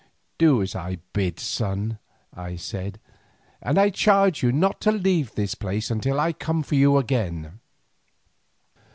"Do as I bid you, son," I said, "and I charge you not to leave this place until I come for you again."